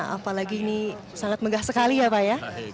apalagi ini sangat megah sekali ya pak ya